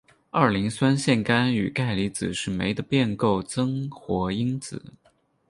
二磷酸腺苷与钙离子是酶的变构增活因子。